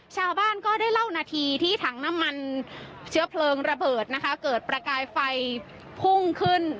ชาวบ้านก็ได้เล่านาทีที่ถังน้ำมันเชื้อเพลิงระเบิดนะคะเกิดประกายไฟพุ่งขึ้น